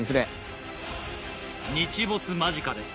日没間近です。